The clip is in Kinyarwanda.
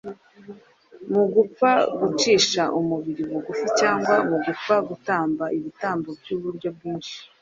mu gupfa gucisha umubiri bugufi cyangwa mu gupfa gutamba ibitambo by’uburyo bwinshi;